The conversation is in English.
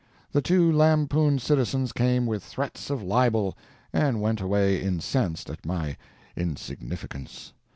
The two lampooned citizens came with threats of libel, and went away incensed at my insignificance.